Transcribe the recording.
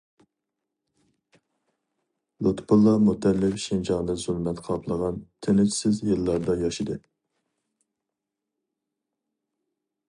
لۇتپۇللا مۇتەللىپ شىنجاڭنى زۇلمەت قاپلىغان تىنچسىز يىللاردا ياشىدى.